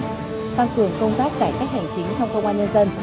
tăng cường công tác cải cách hành chính trong công an nhân dân